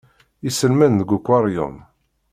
Iselman deg ukwaṛyum.